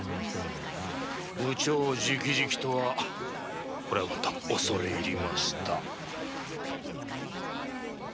部長じきじきとはこれはまた恐れ入りました。